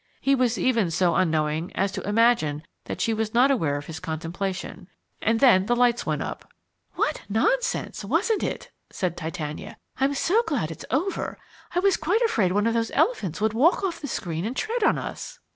He was even so unknowing as to imagine that she was not aware of his contemplation. And then the lights went up. "What nonsense, wasn't it?" said Titania. "I'm so glad it's over! I was quite afraid one of those elephants would walk off the screen and tread on us."